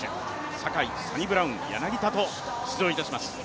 坂井、サニブラウン、柳田と出場します。